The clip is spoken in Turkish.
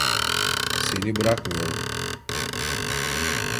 Seni bırakmıyorum.